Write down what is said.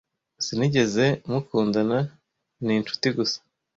Sinigeze mukundana. Ni inshuti gusa.